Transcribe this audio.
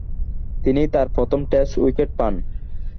তিনি তার প্রথম টেস্ট উইকেট পান।